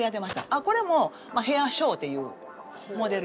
あっこれもヘアショーっていうモデルやってました。